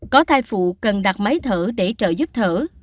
có thai phụ cần đặt máy thở để trợ giúp thở